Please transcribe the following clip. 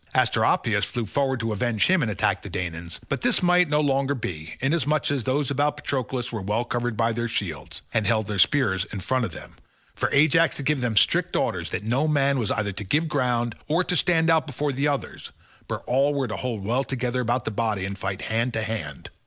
Asteropaeus flew forward to avenge him and attack the Danaans, but this might no longer be, inasmuch as those about Patroclus were well covered by their shields, and held their spears in front of them, for Ajax had given them strict orders that no man was either to give ground, or to stand out before the others, but all were to hold well together about the body and fight hand to hand.